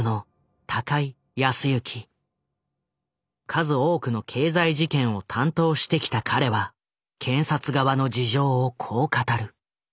数多くの経済事件を担当してきた彼は検察側の事情をこう語る。